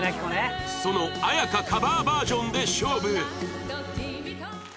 その絢香カバーバージョンで勝負！